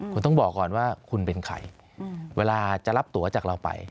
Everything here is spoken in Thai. คุณต้องบอกก่อนว่าคุณเป็นใครเวลาจะรับตัวจากเราไป